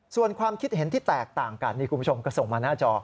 ส่วนความคิดเห็นที่แตกต่างกันนี่คุณผู้ชมก็ส่งมาหน้าจอ